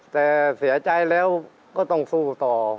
แต่เสียใจแล้วก็ต้องสู้ต่อ